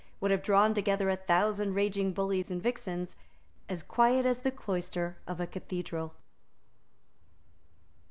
would have drawn together a thousand raging bullies and vixens, as quiet as the cloister of a cathedral.